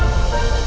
tidak ada waktu